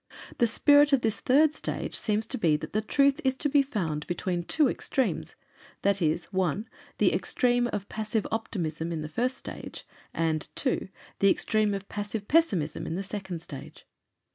The spirit of this third stage seems to be that the Truth is to be found between the two extremes, viz.: (1) the extreme of passive optimism of the first stage; and (2) the extreme of passive pessimism of the second stage.